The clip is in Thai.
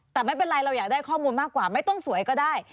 แต่ไม่เป็นไรเราอยากได้ข้อมูลมากกว่าไม่ต้องสวยก็ได้